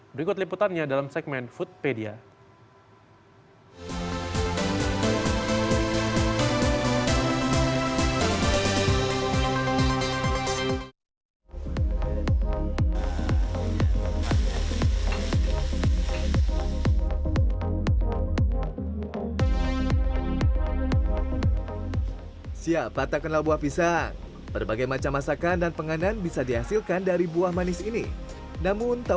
berikut liputannya dalam segmen foodpedia